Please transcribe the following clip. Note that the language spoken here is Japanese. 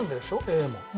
Ａも。